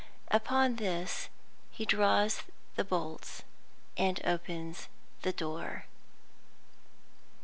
Upon this he draws the bolts and opens the door.